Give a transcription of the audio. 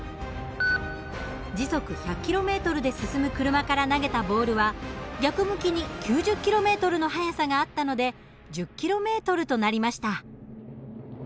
時速１００ｋｍで進む車から投げたボールは逆向きに９０ｋｍの速さがあったので１０ｋｍとなりました。